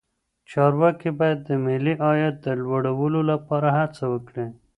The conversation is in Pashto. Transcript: چارواکي باید د ملي عاید د لوړولو لپاره هڅه وکړي.